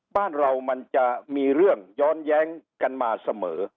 บ้านเรามันจะมีเรื่องย้อนแย้งกันมาเสมอ